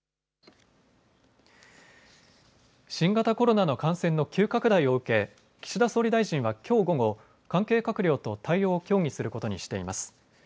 新型コロナの感染の急拡大を受け岸田総理大臣はきょう午後、関係閣僚と対応を協議することにしています。